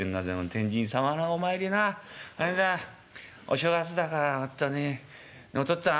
天神様のお参りなあれだお正月だからほんとにねえお父っつぁん」。